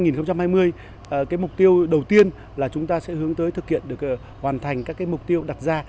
năm hai nghìn hai mươi mục tiêu đầu tiên là chúng ta sẽ hướng tới thực hiện được hoàn thành các mục tiêu đặt ra